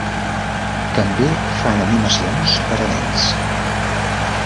També fan animacions per a nens.